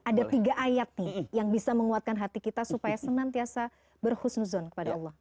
ada tiga ayat nih yang bisa menguatkan hati kita supaya senantiasa berhusun kepada allah